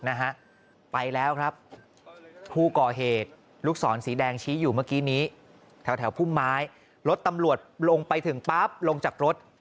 นะฮะไปแล้วครับผู้ก่อเหตุลูกศรสีแดงชี้อยู่เมื่อกี้นี้แถวแถวพุ่มไม้รถตำรวจลงไปถึงปั๊บลงจากรถ